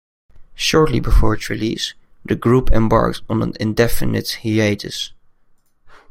Shortly before its release, the group embarked on an indefinite hiatus.